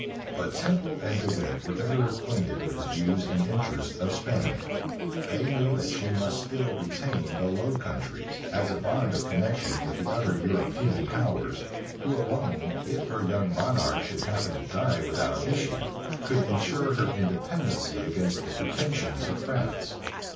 But Temple and De Wit were better acquainted with the views and interests of Spain. They knew that she must still retain the Low Countries, as a bond of connection with the other European powers, who alone, if her young monarch should happen to die without issue, could insure her independency against the pretensions of France.